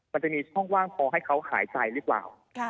มันจะมีช่องว่างพอให้เขาหายใจหรือเปล่า